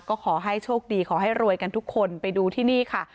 ก็ขอให้โชคดีขอให้รวยกันทุกคนไปดูที่นี่ค่ะ